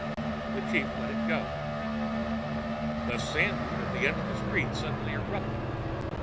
The chief let him go. The sand dune at the end of the street suddenly erupted.